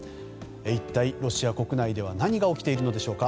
一体ロシア国内では何が起きているのでしょうか。